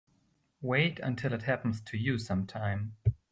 Wait until it happens to you sometime.